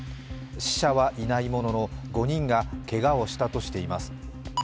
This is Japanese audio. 死者はいないものの、５人がけがをしたとしています。